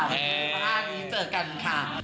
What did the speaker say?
วันที่สิบห้านี้เจอกันค่ะ